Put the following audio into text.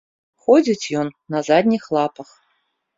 Ходзіць ён на задніх лапах.